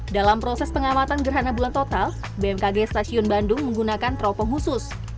dalam proses pengamatan gerhana bulan total bmkg stasiun bandung menggunakan teropong khusus